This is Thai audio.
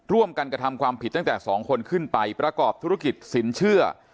ร่วมกันกระทำความผิดตั้งแต่๒คนขึ้นไปประกอบธุรกิจสินเชื่อ